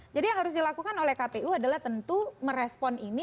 jadi yang harus dilakukan oleh kpu adalah tentu merespon ini